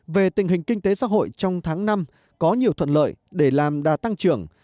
về tình hình kinh tế xã hội trong tháng năm có nhiều thuận lợi để làm đà tăng trưởng